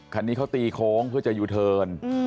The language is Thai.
อ๋อคันนี้เขาตีโค้งเพื่อจะอยู่เทิน